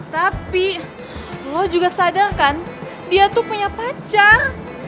tapi lo juga sadar kan dia tuh punya pacar